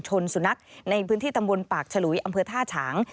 สุนัขในพื้นที่ตำบลปากฉลุยอำเภอท่าฉาง